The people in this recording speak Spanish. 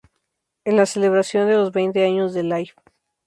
En la celebración de los veinte años de Life.